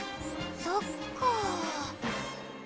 そっか。